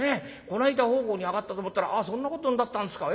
この間奉公に上がったと思ったらそんなことになったんですか。